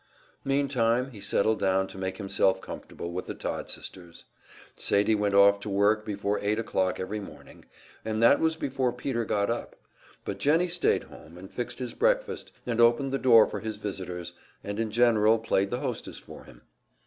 Meantime he settled down to make himself comfortable with the Todd sisters. Sadie went off to her work before eight o'clock every morning, and that was before Peter got up; but Jennie stayed at home, and fixed his breakfast, and opened the door for his visitors, and in general played the hostess for him.